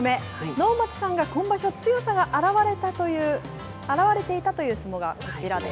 能町さんが今場所、強さが表れていたという相撲がこちらです。